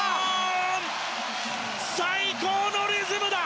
最高のリズムだ！